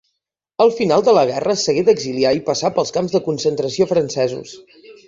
Al final de la guerra s'hagué d'exiliar i passà pels camps de concentració francesos.